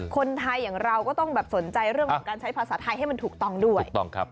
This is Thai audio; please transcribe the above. คนไทยอย่างเราก็ต้องแบบสนใจเรื่องของการใช้ภาษาไทยให้มันถูกต้องด้วยถูกต้องครับ